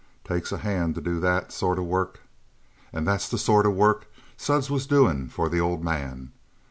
Takes a hand to do that sort of work. And that's the sort of work Suds was doing for the old man.